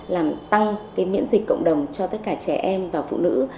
làm tăng cái miễn dịch cộng đồng cho tất cả trẻ em và phụ nữ